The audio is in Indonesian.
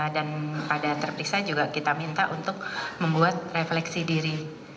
dan pada terperiksa juga kita minta untuk membuat refleksi diri